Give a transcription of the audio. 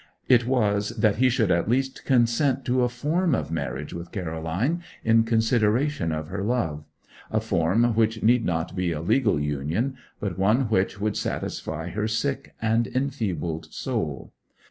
It was that he should at least consent to a form of marriage with Caroline, in consideration of her love; a form which need not be a legal union, but one which would satisfy her sick and enfeebled soul.